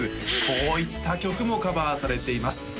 こういった曲もカバーされています